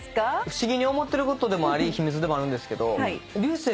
不思議に思ってることでもあり秘密でもあるんですけど流星